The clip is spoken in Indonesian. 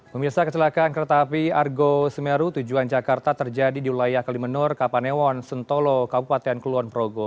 pemirsa kecelakaan kereta api argo semeru tujuan jakarta terjadi di wilayah kalimenur kapanewon sentolo kabupaten kulonprogo